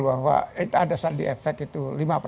bahwa itu ada sandi efek itu